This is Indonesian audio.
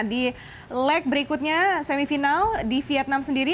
di leg berikutnya semifinal di vietnam sendiri